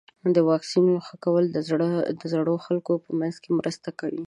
د واکسینونو ښه کول د زړو خلکو په منځ کې مرسته کوي.